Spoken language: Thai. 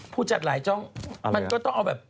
ผู้จัดหลายจ้องมันก็ต้องเอาแบบ